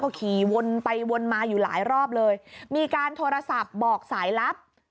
ขี่วนไปวนมาอยู่หลายรอบเลยมีการโทรศัพท์บอกสายลับ